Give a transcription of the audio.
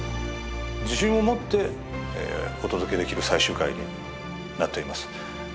自信を持ってお届けできる最終回になっています